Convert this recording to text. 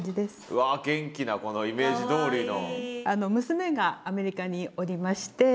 うわ元気なイメージどおりの。